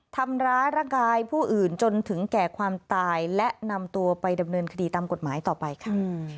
ทำร้ายร่างกายผู้อื่นจนถึงแก่ความตายและนำตัวไปดำเนินคดีตามกฎหมายต่อไปค่ะ